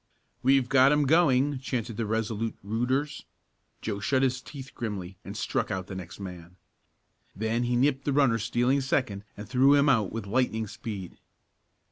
"We've got him going!" chanted the Resolute "rooters." Joe shut his teeth grimly and struck out the next man. Then he nipped the runner stealing second and threw him out with lightning speed.